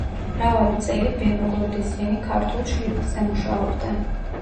მრავალი წელი ბენო გორდეზიანი ქართულ შრიფტზე მუშაობდა.